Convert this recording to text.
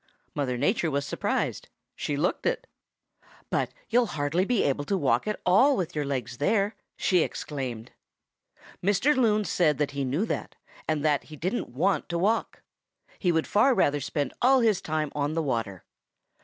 "Mother Nature was surprised. She looked it. 'But you'll hardly be able to walk at all with your legs there!' she exclaimed. "Mr. Loon said that he knew that, and that he didn't want to walk. He would far rather spend all his time on the water.